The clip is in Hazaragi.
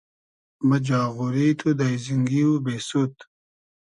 مۂ جاغوری تو داݷزینگی و بېسود